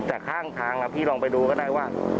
แต่ข้างทางพี่ลองไปดูก็ได้ว่า